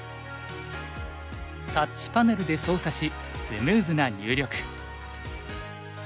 タッチパネルで操作しスムーズな入力。